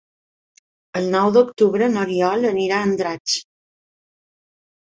El nou d'octubre n'Oriol anirà a Andratx.